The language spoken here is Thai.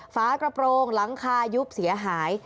ฝากระโปรงหลังคายุบเสียหาย